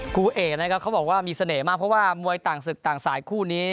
ครูเอกนะครับเขาบอกว่ามีเสน่ห์มากเพราะว่ามวยต่างศึกต่างสายคู่นี้